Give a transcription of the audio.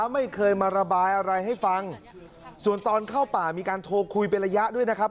ไม่เคยมาระบายอะไรให้ฟังส่วนตอนเข้าป่ามีการโทรคุยเป็นระยะด้วยนะครับ